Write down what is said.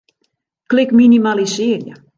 Klik Minimalisearje.